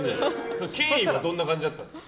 その経緯はどんな感じだったんですか。